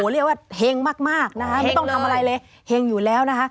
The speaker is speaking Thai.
เรียกว่าเฮงมากนะคะไม่ต้องทำอะไรเลยเห็งอยู่แล้วนะคะ